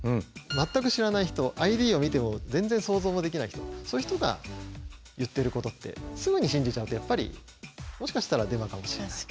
全く知らない人ＩＤを見ても全然想像もできない人そういう人が言ってることってすぐに信じちゃうとやっぱりもしかしたらデマかもしれないと。